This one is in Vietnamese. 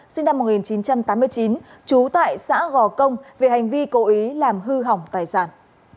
sinh năm một nghìn chín trăm tám mươi chín trú tại xã gò công về hành vi cố ý làm hư hỏng tài sản